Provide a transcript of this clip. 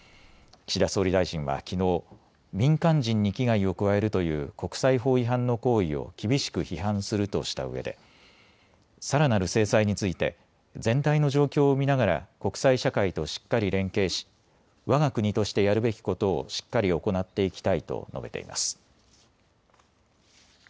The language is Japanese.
岸田総理大臣はきのう民間人に危害を加えるという国際法違反の行為を厳しく批判するとしたうえでさらなる制裁について全体の状況を見ながら国際社会としっかり連携しわが国としてやるべきことをしっかり行っていきたいと述べています。